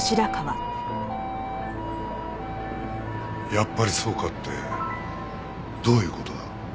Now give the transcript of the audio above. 「やっぱりそうか」ってどういう事だ？